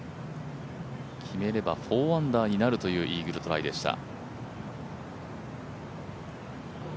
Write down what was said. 決めれば４アンダーになるというイーグルトライでした。